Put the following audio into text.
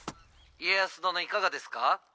家康殿いかがですか？」。